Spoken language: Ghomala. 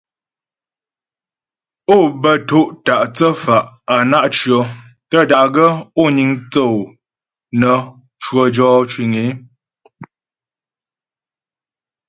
Ó bə to' ta' thə́fa' á na' tʉɔ, tə́ da'gaə́ ó niŋ thə́ ǒ nə́ cwə jɔ cwiŋ ée.